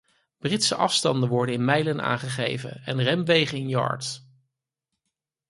Britse afstanden worden in mijlen aangegeven, en remwegen in yards.